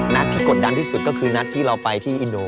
นัดที่กดดันที่สุดก็คือนัดที่เราไปที่อินโด